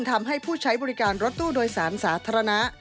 ทำให้ผู้ใช้บริการรถตู้โดยสารสาธารณะ